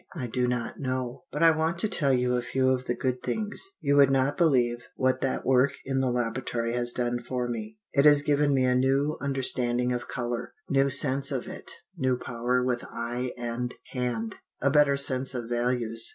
I do not know. "But I want to tell you of a few of the good things. You would not believe what that work in the laboratory has done for me. It has given me a new understanding of colour new sense of it, new power with eye and hand, a better sense of values.